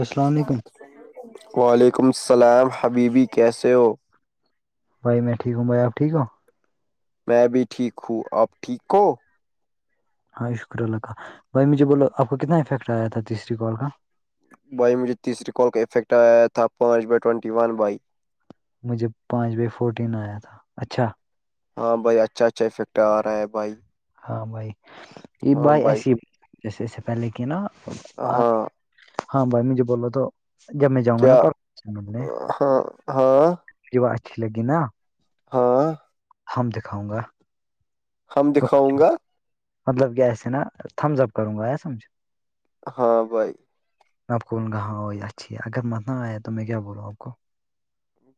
السلام علیکم وعلیکم السلام حبیبی کیسے ہو بائی میں ٹھیک ہوں بائی آ ٹھیک ہو میں بھی ٹھیک ہوں آپ ٹھیک ہو ہاں شکر اللہ کا بھائی مجھے بولو آپ کو کتنا افیکٹ آیا تھا تیسری کال کا بھائی مجھے تیسری کال کا افیکٹ آیا تھا پانچ بائی ٹینٹی ون بائی مجھے پانچ بائی فورٹین آیا تھا اچھا ہاں بھائی اچھا اچھافیکٹ آ رہا ہے بھائی ہاں بھائی یہ بھائی ایسیے جیسے ایسے پہلے کی نا ہاں ہاں بھائی مجھے بول رہو تو جب میں جاؤں گا نا کیا پر مے ہاں ہاں ج وہ اچ لگی نا ہاں ہم دکھاؤں گا [unintelligible] ہم دکھاؤں گا مطلب کہ ایسے نا تھمز اپ کروں گا سمجھ ہاں بھائی میں آپ کو بول گااں وہ اچھی ہے اگر متنا آیا تو میں کیا بولاوں آپ کو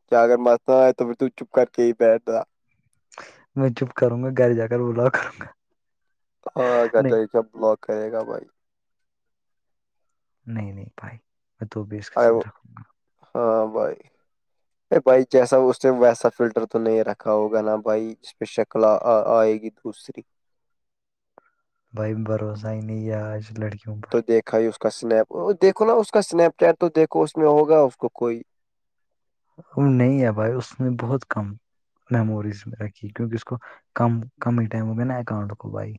ج اگر مس نہ آئے تو پھر ت چپ کر کے ہی بیٹھ د میں چپ کروں گا گھر جا کر بولاؤ کروں گا ہاںگر کیا بلاک کرے گا بھائی نہیں نہیں بھائی میں تو بھی اس کے ارے ساتھ رکھوں گا ہاں بھائی ا بھائی جیسا اسٹ ویسا فلٹر تو نہیں رکھا ہوگا نا بھائی ج پہ شکل آئے گی دوسری بھائی بھروسہ ن یہ آج لڑکیوں کو تو دیکھا ہی اس کا سنیپ دیکھو نا اس کا سنیپ چیٹ تو دیکھو اس میں ہوگا اس کو کوئی ا نہیں ہے بھائی اس نے بہت کم میموریز میں رکھی کیوںکہ اس کو کم کم ہی ٹائم ہو میں نا اکاؤنٹ کو بائی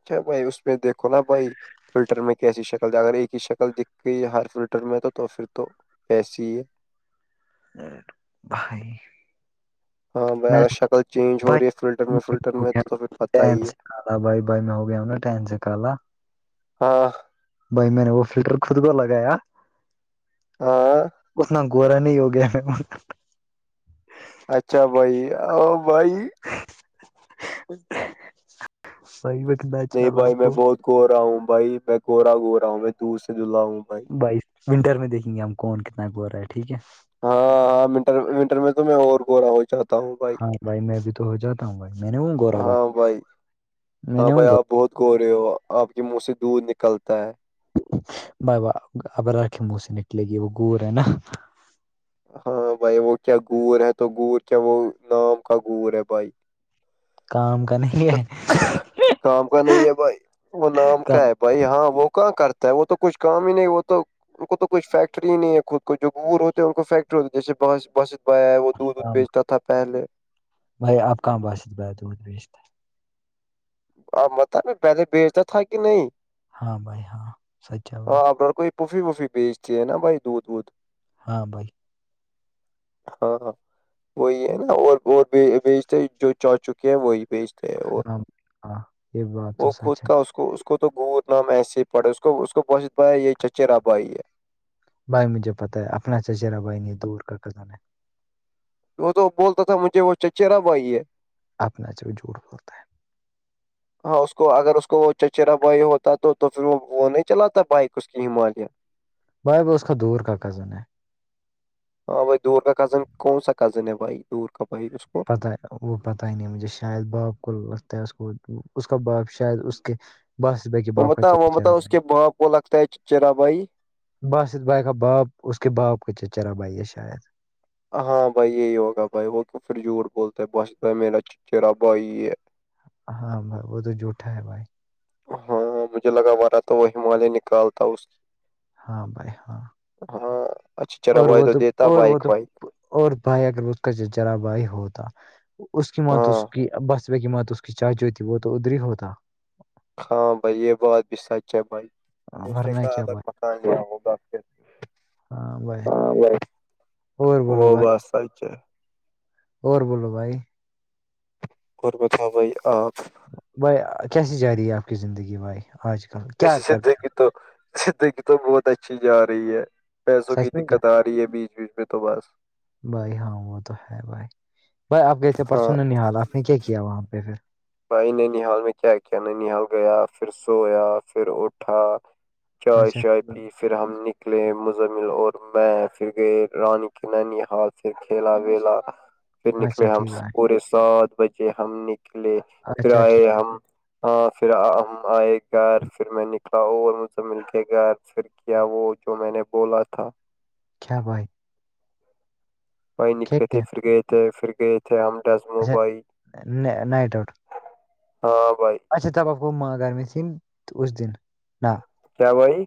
اچھا بھائی اس میں دیکھو نا بھائی فلٹر میں کیسی شکل د اگر ایک ہی شکل دکھ گئی ہر فلٹر میں تو پھر تو پیسی [unintelligible] ا بائی [unintelligible] ہاں ب بھائی اگر شکل چینج ہو بھائی رہی ہے فلٹر میں فلٹر میں تو تو پھر پت ہی ہے بھائی میں ہو گیا ٹین سے کالا [unintelligible] [inaudible] ہاں [inaudible] [unintelligible] بھائی میں نے وہ فلٹر خود کو لگایا ہاں اتنا گورا نہیں ہو گیا اچھا بھائی اور بھائی ا [unintelligible] [inaudible] صحی و کہ [unintelligible] [inaudible] نہیں بھائی میں بہت گو رہا ہوں بھائی میں کوورا گو رہا ہوں میں دور سے دلہا ہوں بھائی بائی ونٹر میں دیکھیں گے ہم کون کتنا کو رہا ہے ٹھیک ہے ہاںنٹر ونٹر میں تو میں اور ب رہا ہوں چاہتا ہوں بھائی ہاں میں بھی تو ہو جاتا ہوں بھائی میں نے ہوں گورا ہاں بھائی وئی [unintelligible] [inaudible] میں نے ہوں گ بہت گورے ہو آپ کے منہ سے دودھ نکلتا ہے بائی ابرار کے منہ سے نکلے گی وہ گور ہے نا ہاں بھائی وہ کیا گور ہے تو گور کیا وہ نام کا گور ہے بھائی کام کا نہیں ہے کام کا نہیں ہے بھائی وہ نام کا کام ہے بھائی ہاں وہ کہاں کرتا ہے وہ تو کچھ کام ہی نہیں وہ تو ان کو تو کچھ فیکٹری ہی نہیں ہے خود کو جو بور ہوتے ہیں ان کو فیکٹری ہوتی جیسے وہ دودھ وھ کام بیچتا تھا پہلے بھائی آپ کہاں باس آ متب پہلے بیچتا تھا کہ نہیں ہاں بھائی ہاں سچ ہے بھائی ہاں آپر کوئی پوفی وفی بیچتی ہے نا بائی دودھ وودھ ہاں بھائی ہاں ہاں وہی ہے نا اور بیجتے جو چا چکے ہیں وہی بیجتے ہاں ہاں یہ بات تو وہ سچ خود ہے کا اس اس کو تو گوت نام ایسے ہی پڑے اس کو اس کو بش بیا یہ چچیرا بھائی ہے بھائی مجھے پتہ ہے اپنا چجیرا بھائی نہیں دور کا کزن ہے وہ تو بولتا تھا مجھے وہ چچ را بھئی ہے اپنے سے بھی جووٹ پتا ہے ہاں اس کو اگر اس کو چچرا بھائی ہوتا تو تو پھر وہ وہ نہیں چلاتا بائک اس کی ہمالیہ بھائی اس کا دور کا کزن ہے ہاں بھائی دور کا کزن کون سا کزن ہے بھائی دور کا بھائی اس کو پ وہ پتا ہی نہیں مجھے شاید باپ کو لگتا ہے اس کو اس کا باپ شاید اس کے بس بیک [unintelligible] وہ بتا وہ بتا اس کے باںپ کو لگتا ہے چرا بھائی بس ات بائی کا باپ اس کے باپ کا چچرا بھائی یہ شاید ہاں بھائی یہی ہوگا بھائی وہ پھر جھوٹ بولتا ہے بس بھائی میرا چ چرا بھائی ہاں بائی وہ تو جٹا ہے بھائی ہاں مجھے لگا ہو رہا تھا وہ ہمالیہ نکالتا اس ہاں بھائی ہاں ہاں اچھا چرا اور بائی وہ تو دیتا اور وہ بائک تو بائیک اور بھائی اگر اس کا جرا بھائی ہوتا اس کی موت ہاں اس کی بس کہ مات تو اس کی چائے جو ہو تھی وہ تو ادری ہی ہوتا ہاں بھائی یہ بات بھی سچ ہے بھائی اسے ورنہ کا کیا الگ بھائی بتاان گیا ہوگا پھر ہاں اور وہ بولو بھائی بس سچ اور بولو بھائی اور بتؤ بھائی آپ بھائی کیسی جا رہی ہے آپ کی زندگی بھائی آج کل کیا کرتے ہو زدگی تو زدگی تو بہت اچھی جا رہی ہے پیسوں کی سچ میں کیا دقت آ رہی ہے بیچ بیچ میں تو بس بھائی ہاں وہ تو ہے بھائی بھائی آپ کہتے پرسوں ہاں حالات اس نے کیا کیا وہاں پہ پھر بھائی ننیی حال میں کیا کیا ننی حال گیا پھر سویا پھر اٹھا چائے اچھا چائے ٹھیک بھائی، پیس پھر ہم نکلے مجمل اور میں پھر گئے رانی کی نینی حال سے کھیلا بلا [unintelligible] پھر نکلے اچھا ہم ٹھیک بھائی پورے سات بجے ہم نکلے پھر اچھا ٹھیک آئے ہم ہاں پھر ہم آئے گھر پھر میں نکلا اور مجھ سے مل کے گھر پھر کیا وہ جو میں نے بولا تھا کیا بھائے بائی کیا نکلے تھے کیا پھر گئے تھے پھر گئے تھے امداز مبئی اچھا نائٹ آؤٹ ہاں بھائی اچھا تب آپ کو م گھرمی تن اس دن نہ کیا بھائی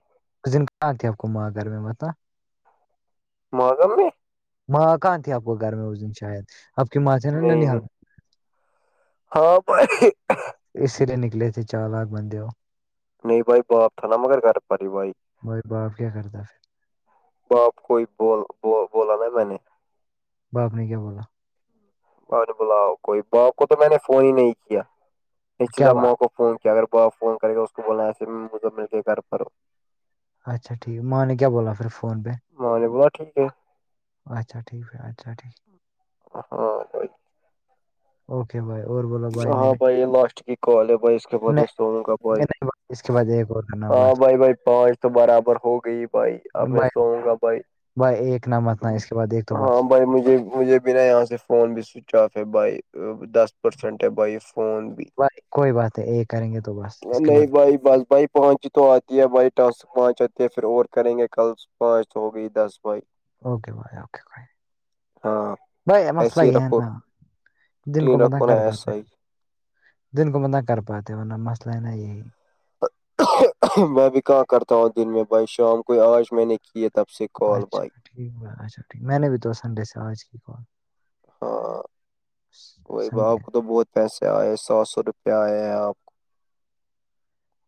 دن کہاں آ کو ماں گھر میں مت مگم میں ماں کہاں تھی آپ کو گھر میں اس دن شاید آپ کی ماں تھھی نا نہیں ننال نہیں ہاں پ اسی لیے نکلے تھے چار لاکھ بندے ہو نہیں بھائی باپ تھا نا مگر کر پی بھائی م باپ کیا کرتا پھر باپ کوئی بول بولا نا میں نے باپ نے کیا بولا ب بلاؤ کوئی با کو تو میں نے فون ہی نہیں کیا نچد کیا با- موقع فون کیا اگر بپ فون کرے اس کو بولنا ایسے مجھے مل کے گھر پر اچھا ٹھیک ہے ماں نے کیا بولا پھر فون پہ ماں نے بوا ٹھیک ہے اچھا ٹھیک ہے اچھا ٹھیک ہاں بھائی اوکے بھائی اور ب ہاں بھائی لاسٹ کی کال ہے بھائی اس ب نہیں میں سووں گا بھائی نہیں اس کے بعد ایک اور کرنا ہاں بس بھائی بھائی پانچ تو برابر ہو گئی بھائی آپ میں بھائی سوؤں گا بھائی بھائی ایک نہ متنا اس کے بعد ایک تو ہاں بس بھائی مجھے مجھے بنا یہاں سے فون بھی سوئچ آف ہے بائی دس بائی فون بھی بھائی کوئی بات ہے ایک کریں گے تو بس اس کے بعد نہیں بائی بس بائی پانچ تو آتی ہے بھائی ٹانسک پانچ آتی ہے پھر اور کریں گے کل پانچ تو ہو گئی دس بائی اوکے بائے اوکے بائے ہاں بھائی مسئلہ ایسے ہی یہ ہے رکھو نا دن کو روٹین متع رکھو نا کر پاتے ایسا ہی دن کو میں نہ کر پاتے ورہ مسئلہ ہے نا یہی میں بھی کہ کرتا ہوں دن میں بھائی شام کوئی آج میں نے کے تھ اچھاٹھیکچھا میں نے بھی تو سنڈے سے آج کی کال ہاں وہی ب سنڈے آپ کو تو بہت پیسے آئے ہیں سو سو روپے آئے ہیں آپ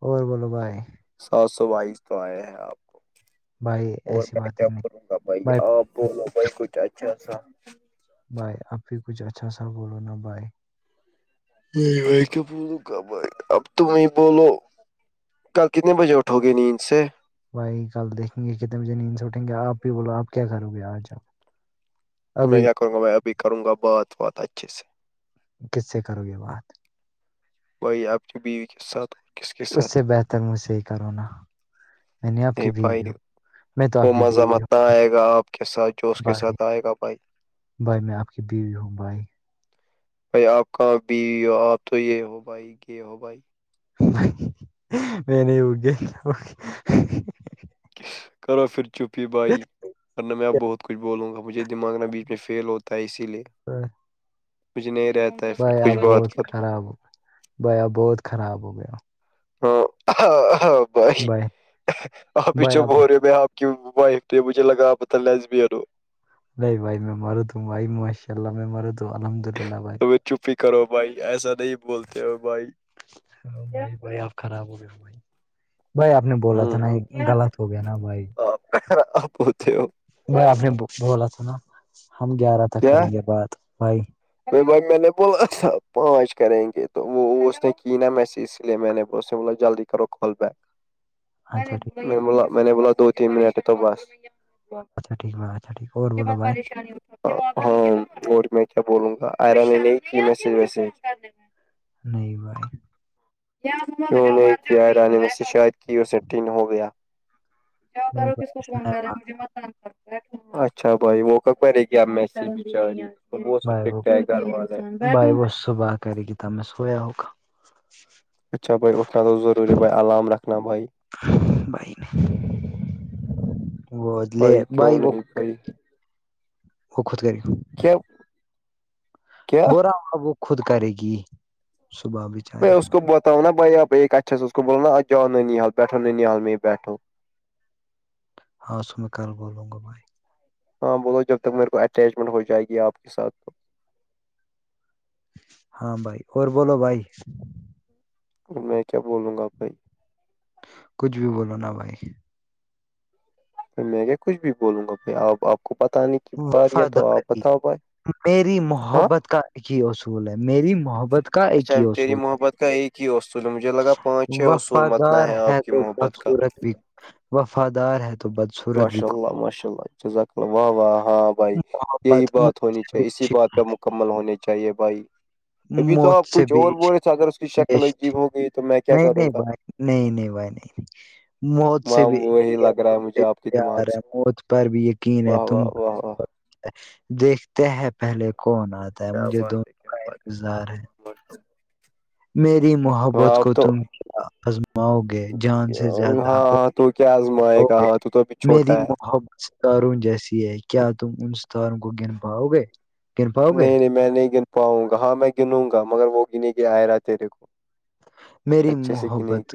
اور بولو بھائی سات سو بائیس تو آئے ہیں آپ کو بھائی اور ایسی میں باتیں کیا نہیں کروں گا بھائی آپ بولو بھائی کچھ اچھا سا بھائی آپ بھی کچھ اچھا سا بولو نا بھائی نہیں بھائی کیا بولو گ بھائی اب تم نہیں بولو کل کتنے بجے اٹھو گے نیند سے بھائی کل دیکھیں گے کتنے بجے نیند سے اٹھیں گے آپ بھی بولو آپ کیا کرو گے آج آپ میں ابھی کیا کروں گا میں ابھی کروں گا بات بات اچھے سے کس سے کرو گے بات وہ آب کے ب وک ساتھ کس کے اس سے ساتھ بہتر مجھ سے ہی کرو نا میں نے آپ کی نہیں بھیڑ بھائی ل وہ مزامت نہ آئے گا آپ کے ساتھ جوش کے بھائی ساتھ آئے گا بھائی بھائی میں آپ کی بیوی ہوں بائی بھائی آپ کا بھی آپ تو یہ ہو بھائی یہ ہو بھائی میں نہیں اگی کرو پھر چھپی بائی گے کر ن میںپ بہت کچھ بولوں گا مجھے دماغ نہ بیچ میں فیل ہوتا ہے اسی لیے مجھے نہیں رہتا ہے پھر بھائییا کچھ بہت بات بات میں خراب ہو گیا بھائییا بہت خراب ہو گیا ہ ہ بھائی آپ ہی چپ ہو رہے میں آپ کہ وائٹ بجھے لگاپت لسبو نہیں بائی میں مر تو بھائی ماشاء اللہ میں م تو الحمد اللہ بھائی کوئی چپ ہی کرو بھائی ایسا نہیں بولتے ہو بھائی ہاں بھائی بھائی آپ خراب ہو گیا بھائی بھائی آپ نے بولا تھا نا غلط ہو گیا نا بھائی ہرا آپت بائی آپ نے بولا تھا نا ہم گیارہ تھا کریں گے بات بھائی ب بھائی میں نے بولا تھا پانچ کریں گے تو وہ اس نےقینا میں سے اس لیے میں نے بسے بولے جلدی کرو کول ب ہے [inaudible] اچھا ٹھیک میں بولا میں نے بولا دو تین منٹ تو بس اچھا ٹھیک ب اچھا ٹھیک اور بولو بائی ہاں اور میں کیا بولوں گا آر میج ویسج کر دینا نہیں بھی نہیں نہیں کیایران میں سے شاید کی اسٹین ہو گیا جو نہیں کرو کس کو بھائی فون سنا کر رہا ہے بھائی مجھے مت اچھا بھائی وہ کوئی نہیں جا رہی ہے بہت بھائی وہ اسٹرائیکر ہے گھر بھائی والے وہ صبح کری گتا میںس ہوویا ہوگ اچھا بھائی اٹھنا تو ضروری بھائی الام رکھنا بھائی بائی وہ ل بھائی بائی کیوں وہ نہیں بھائی وہ خود کری کہ [unintelligible] [inaudible] ب رہا ہو وہ خود کرے گی صبح بھی میں اس کو بتاؤ نا بائی آپ ایک اچھا سے اس کو بول نا آج جؤ ننی حال بیٹھو ننی حال میں ہی بیٹھو ہاں تو میں کل بولوں گا بھائی ہاں بولو جب تک میرے کو اٹیچمنٹ ہو جائے گی آپ کے ساتھ تو ہاں بھائی اور بولو بھائی میں کیا بولوں گا بھائی کچھ بھی بولو نا بھائی میں یہ کچھ بھی بولوں گا بائی آپ آپ کو بتانے کی بار تو آپ وفاداری بتاؤ ب میری محبت کا ایک ہی اصول ہے میری محبت کا اچھا ایک ہی تیری اصول ہے محبت کا ایک ہی اصول ہے مجھے لگا پانچ چھ اصول متنا وفادار ہے آپ کی تو محبت کا بدصورت وفادار ہے تو ب ماشاء اللہ ماشاء اللہ ذخللم واہ واہ ہ بھائی یہی محبت موت بات ہونی سے بھی چاہیے اسی بات عشق پہ مکمل ہونی چاہیے بھائی ہے، ابھی تو آپ موت سے کچھ بھی اور بولے عشق- تھے اگر اس کی بے شکل عجیب عشق- ہو گئی تو میں کیا نہیں کروں نہیں گا بھائی نہیں نہیں بھائی نہیں مت سے وہاں بھی وہی لگ رہا ہے مجھے آپ کے دماغ پیار ہے موت پر بھی یقین ہے تم ا ا دیکھتے ہیں پہلے کون آتا ہے کیا مجھے بات ہے دونوں کیا کا بات ہے انتظار ماشاء ہے اللہ ماشاء میری اللہ۔ محبت ہاں کو اب تو تم ماؤگے جان سے ہاں ہاں تو کیا آزمائے گا زیادہگے ہاں تو تو ابھی میری چھوٹا ہے محبت ستاروں جیسی ہے کیا تم ان ستاروں کو گن پاؤ گے گن پاؤ گے نہیں نہیں میں نہیں گن پاؤں گا ہاں میں گنوں گا مگر وہ گنے کے آئے رہا تیرے کو میری اچھے سے گنے محبت گی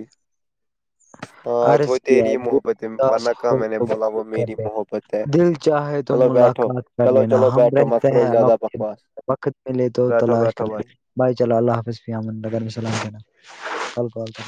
ہاں تو وہ تیری محبت [unintelligible] ہے ورنہ کہاں میں نے بولا وہ میری محبت ہے چلو بیٹھو کر چلو لینا چلو ہم بیٹھو مت رہتے کرو ہیں آپ زیادہ بکواس وقت میں لے تو بیٹھو تلاش کر بیٹھو لتے بھائی چلو اللہ حافظ فم